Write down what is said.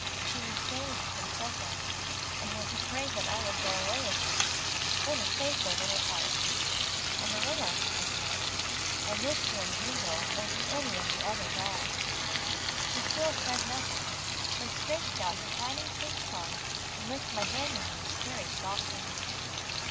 She was dazed from suffering, and was afraid that I would go away again. What a faithful little heart! "Amarilla," I said, "I missed you and Gringo more than any other of the dogs." She still said nothing, but she stretched out her tiny pink tongue, and licked my bandages very softly.